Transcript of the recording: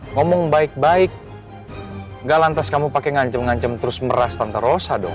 ngomong baik baik nggak lantas kamu pakai ngancem ngancem terus meras tante rosa dong